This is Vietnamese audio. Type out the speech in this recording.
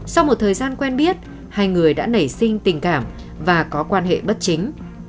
sau một thời gian quen biết hai người đã nảy sinh tình cảm và có quan hệ bất chính